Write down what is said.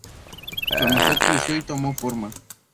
Su amistad creció y tomó forma.